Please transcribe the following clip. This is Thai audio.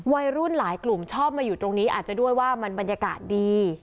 วัยรุ่นหลายกลุ่มชอบมาอยู่ตรงนี้อาจจะด้วยว่ามันบรรยากาศดี